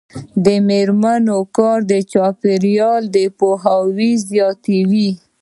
د میرمنو کار د چاپیریال پوهاوی زیاتوي.